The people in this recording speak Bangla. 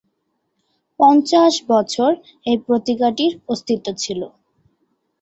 পঞ্চাশ বছর এই পত্রিকাটির অস্তিত্ব ছিল।